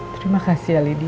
terima kasih ya lydia